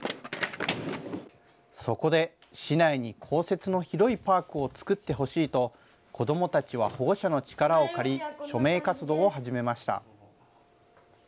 そこで、市内に公設の広いパークを作ってほしいと、子どもたちは保護者の力を借り、署名活動を始めました。